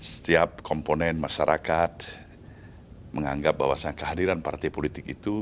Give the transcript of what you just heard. setiap komponen masyarakat menganggap bahwasan kehadiran partai politik itu